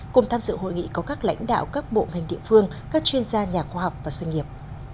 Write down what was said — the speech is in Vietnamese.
cùng tham dự hội nghị có các lãnh đạo các bộ ngành địa phương các chuyên gia nhà khoa học và doanh nghiệp